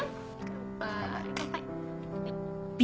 乾杯。